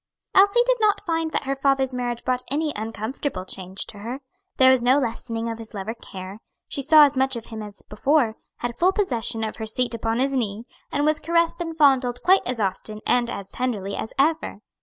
Elsie did not find that her father's marriage brought any uncomfortable change to her. There was no lessening of his love or care; she saw as much of him as before, had full possession of her seat upon his knee, and was caressed and fondled quite as often and as tenderly as ever.